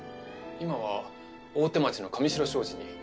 今は大手町のカミシロ商事に。